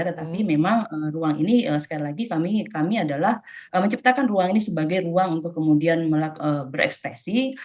tetapi memang ruang ini sekali lagi kami adalah menciptakan ruang ini sebagai ruang untuk kemudian berekspresi